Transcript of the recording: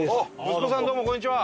息子さんどうもこんにちは。